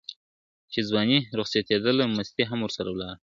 چي ځواني رخصتېدله مستي هم ورسره ولاړه ,